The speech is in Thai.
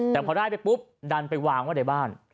แต่พอได้ไปปุ๊บดันไปวางไว้ในบ้าน